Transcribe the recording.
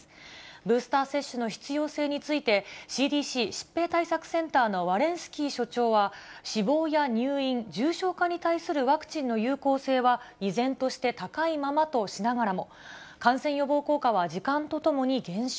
ブースター接種の必要性について、ＣＤＣ・疾病対策センターのワレンスキー所長は、死亡や入院、重症化に対するワクチンの有効性は、依然として高いままとしながらも、感染予防効果は時間とともに減少。